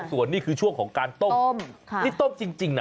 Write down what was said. ส่วนนี่คือช่วงของการต้มนี่ต้มจริงนะ